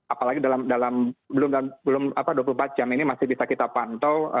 apalagi dalam dua puluh empat jam ini masih bisa kita pantau